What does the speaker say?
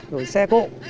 rồi xe cộ